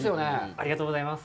ありがとうございます。